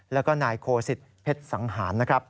แล้วก็นายโคสิตเพชรสังหารนะครับ